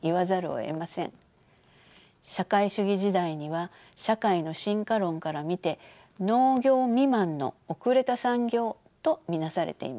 社会主義時代には社会の進化論から見て農業未満の後れた産業と見なされていました。